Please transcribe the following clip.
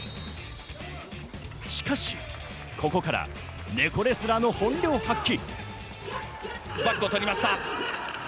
しかし、ここから猫レスラーの本領発揮。